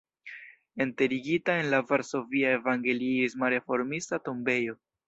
Enterigita en la varsovia evangeliisma-reformista tombejo.